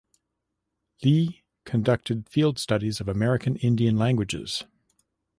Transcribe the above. Li conducted field studies of American Indian languages.